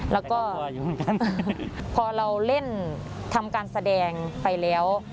แล้วก็พอเราเล่นทำการแสดงไปแล้ว